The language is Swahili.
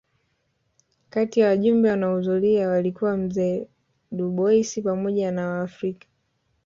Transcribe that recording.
Kati ya wajumbe waliohudhuria walikuwa mzee Dubois pamoja na Waafrika